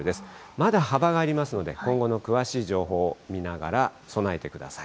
まだ幅がありますので、今後の詳しい情報を見ながら備えてください。